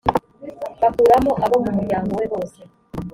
bakuramo abo mu muryango we bose